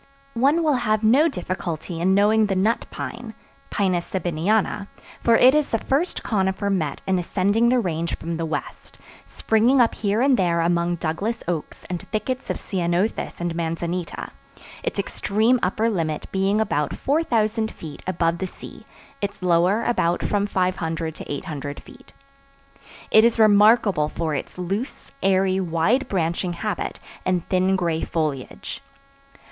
One will have no difficulty in knowing the Nut Pine (Pinus Sabiniana), for it is the first conifer met in ascending the Range from the west, springing up here and there among Douglas oaks and thickets of ceanothus and manzanita; its extreme upper limit being about 4000 feet above the sea, its lower about from 500 to 800 feet. It is remarkable for its loose, airy, wide branching habit and thin gray foliage.